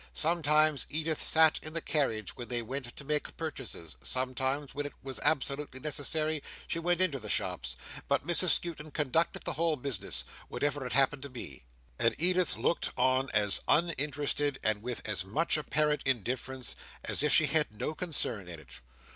Sometimes Edith sat in the carriage when they went to make purchases; sometimes, when it was absolutely necessary, she went into the shops. But Mrs Skewton conducted the whole business, whatever it happened to be; and Edith looked on as uninterested and with as much apparent indifference as if she had no concern in it.